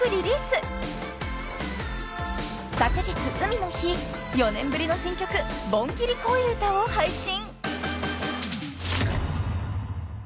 ［昨日海の日４年ぶりの新曲『盆ギリ恋歌』を配信］